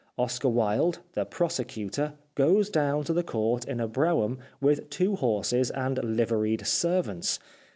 Oscar Wilde, the prosecutor, goes down to the court in a brougham with two horses and liveried servants.